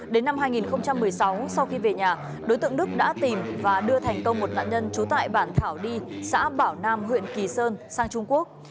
đến năm hai nghìn một mươi sáu sau khi về nhà đối tượng đức đã tìm và đưa thành công một nạn nhân trú tại bản thảo đi xã bảo nam huyện kỳ sơn sang trung quốc